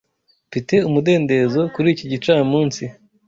Mfite umudendezo kuri iki gicamunsi.